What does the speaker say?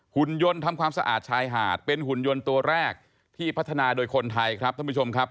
หุ่นยนต์ทำความสะอาดชายหาดเป็นหุ่นยนต์ตัวแรกที่พัฒนาโดยคนไทยครับท่านผู้ชมครับ